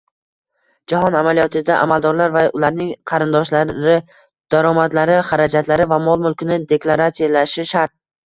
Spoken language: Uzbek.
Jahon amaliyotida amaldorlar va ularning qarindoshlari daromadlari, xarajatlari va mol -mulkini deklaratsiyalashi shart